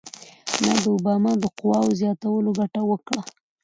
نه د اوباما د قواوو زیاتولو ګټه وکړه.